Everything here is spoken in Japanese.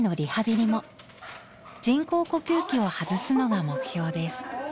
人工呼吸器を外すのが目標です。